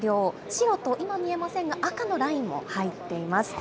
白と、今見えませんが、赤のラインも入っています。